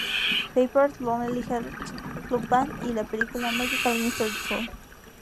Pepper's Lonely Hearts Club Band" y la película "Magical Mystery Tour".